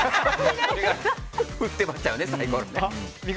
振ってましたよね、サイコロ。